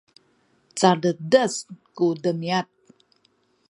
caledes ku demiad